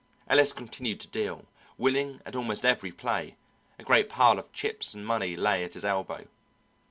Ellis continued to deal, winning at almost every play; a great pile of chips and money lay at his elbow.